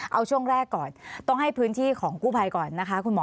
เอาช่วงแรกก่อนต้องให้พื้นที่ของกู้ภัยก่อนนะคะคุณหมอ